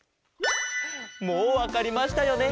もうわかりましたよね？